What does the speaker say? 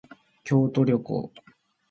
京都旅行